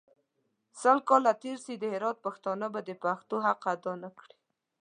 سل کاله تېر سي د هرات پښتانه به د پښتو حق اداء نکړي.